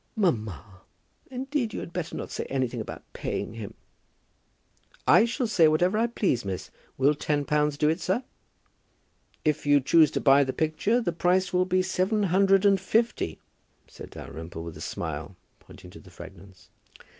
"Mamma, indeed you had better not say anything about paying him." "I shall say whatever I please, miss. Will ten pounds do it, sir?" "If you choose to buy the picture, the price will be seven hundred and fifty," said Dalrymple, with a smile, pointing to the fragments.